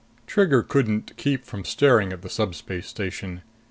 28 Trigger couldn't keep from staring at the subspace station.